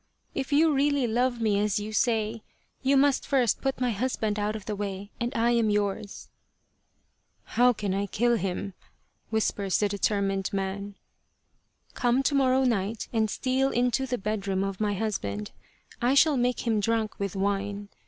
If you really love me as you say, you must first put my husband out of the way, and I am yours." " How can I kill him ?" whispers the determined man. " Come to morrow night and steal into the bedroom of my husband. I shall make him drunk with wine.